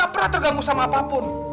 gak pernah terganggu sama apapun